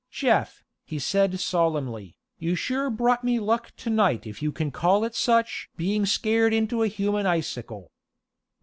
"Jeff," he said solemnly, "you sure brought me luck to night if you can call it such being scared into a human icicle.